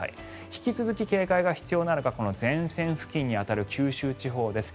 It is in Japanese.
引き続き警戒が必要なのが前線付近に当たる九州地方です。